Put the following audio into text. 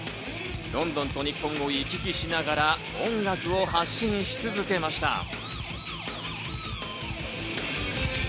ロンドンと日本を行き来しながら、音楽を発信し続けました。